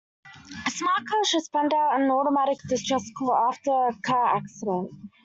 A smart car should send out an automatic distress call after a car accident.